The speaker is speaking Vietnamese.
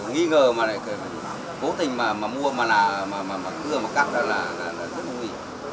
nghĩ ngờ mà cố tình mà mua mà cưa mà cắt ra là rất nguy hiểm